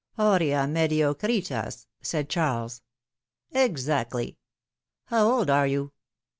^^Aurea mediocritas/^ said Charles. Exactly." How old are you